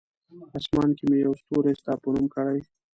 آسمان کې مې یو ستوری ستا په نوم کړی!